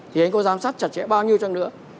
thì anh có giám sát chặt chẽ bao nhiêu trang nữa